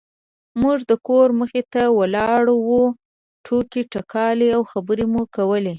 موږ د کور مخې ته ولاړې وو ټوکې ټکالې او خبرې مو کولې.